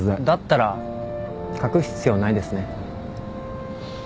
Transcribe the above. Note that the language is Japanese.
だったら隠す必要ないですね。